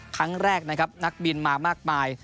ครั้งแรกนักบินมามากมาย